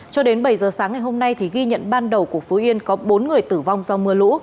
cho đến bảy giờ sáng ngày hôm nay thì ghi nhận ban đầu của phú yên có bốn người tử vong do mưa lũ